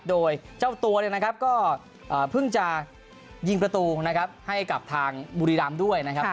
โดยเจ้าตัวเนี่ยนะครับก็เพิ่งจะยิงประตูนะครับให้กับทางบุรีรำด้วยนะครับ